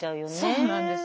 そうなんですよ。